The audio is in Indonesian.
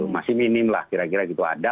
masih minim lah kira kira gitu ada